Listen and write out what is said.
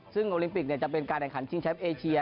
ซึ่งโอลิมปิกจะเป็นการแข่งขันชิงแชมป์เอเชีย